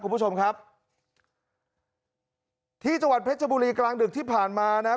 คุณผู้ชมครับที่จังหวัดเพชรบุรีกลางดึกที่ผ่านมานะครับ